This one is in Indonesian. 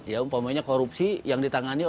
ya umpamanya korupsi yang ditangani oleh